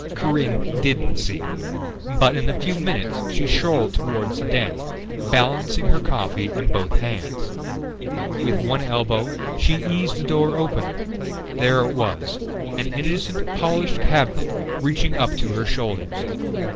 Corinne didn't see, but in a few minutes she strolled toward the den, balancing her coffee in both hands. With one elbow she eased the door open. There it was: an innocent polished cabinet reaching up to her shoulders.